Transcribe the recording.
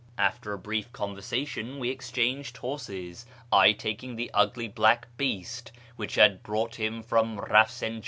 After a brief conversation we exchanged horses, I taking the ugly black beast which had brought him from Eafsinjan.